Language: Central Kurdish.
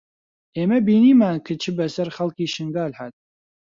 ئێمە بینیمان چ بەسەر خەڵکی شنگال هات